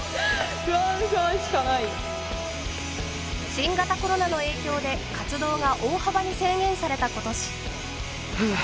新型コロナの影響で活動が大幅に制限された今年。